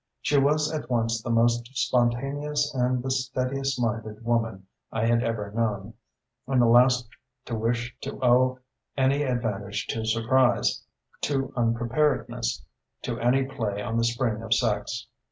She was at once the most spontaneous and the steadiest minded woman I had ever known, and the last to wish to owe any advantage to surprise, to unpreparedness, to any play on the spring of sex.